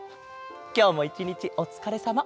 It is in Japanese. きょうもいちにちおつかれさま。